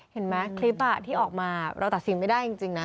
เห็นไหมคลิปที่ออกมาเราตัดสินไม่ได้จริงนะ